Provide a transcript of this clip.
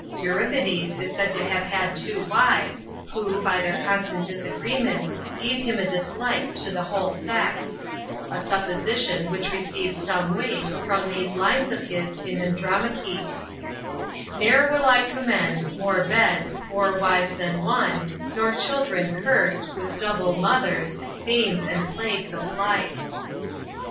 Euripides is said to have had two wives, who, by their constant disagreement, gave him a dislike to the whole sex; a supposition which receives some weight from these lines of his in Andromache: ne'er will I commend More beds, more wives than one, nor children curs'd With double mothers, banes and plagues of life.